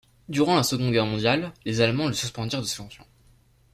Durant la Seconde Guerre mondiale, les Allemands le suspendirent de ses fonctions.